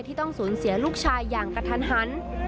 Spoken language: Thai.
ต้องสูญเสียลูกชายอย่างกระทันหัน